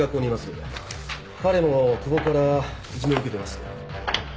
彼も久保からいじめを受けています。